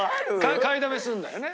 買いだめするんだよね。